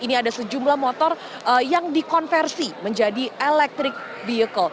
ini ada sejumlah motor yang dikonversi menjadi electric vehicle